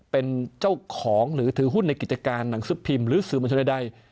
เป็นเจ้าของหรือถือหุ้นในกิจการหนังสือพิมพ์หรือสื่อมวลชนใด